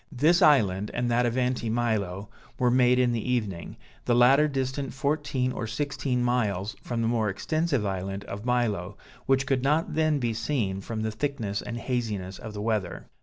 This island, and that of Anti Milo, were made in the evening, the latter distant fourteen or sixteen miles from the more extensive island of Milo, which could not then be seen, from the thickness and haziness of the weather.